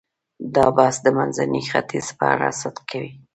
دا بحث د منځني ختیځ په اړه صدق کوي.